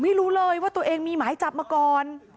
ไม่รู้เลยว่าตัวเองมีหมายจับมาก่อน